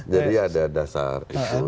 jadi ada dasar itu